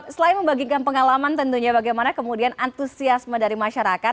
selain membagikan pengalaman tentunya bagaimana kemudian antusiasme dari masyarakat